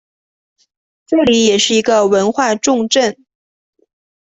这里也是一个文化重镇。